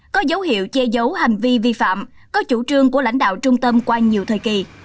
có dấu hiệu chê dấu hành vi vi phạm có chủ trương của lãnh đạo trung tâm qua nhiều thời kỳ